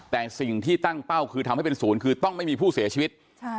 แต่สิ่งที่ตั้งเป้าคือทำให้เป็นศูนย์คือต้องไม่มีผู้เสียชีวิต